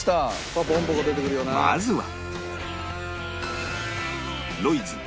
まずは